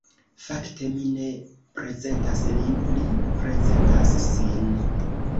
Fakte, mi ne prezentas lin, li prezentas sin.